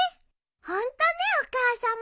ホントねお母さま。